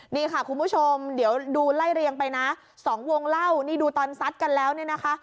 นี่ค่ะคุณผู้ชมเดี๋ยวดูไล่เรียงไปนะสองวงเล่านี่ดูตอนซัดกันแล้วเนี่ยนะคะ